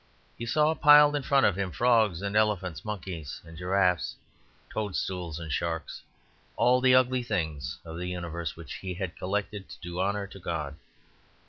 He saw piled in front of him frogs and elephants, monkeys and giraffes, toadstools and sharks, all the ugly things of the universe which he had collected to do honour to God.